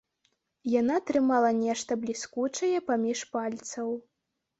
Яна трымала нешта бліскучае паміж пальцаў.